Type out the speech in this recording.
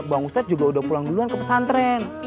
bang ustadz juga udah pulang duluan ke pesantren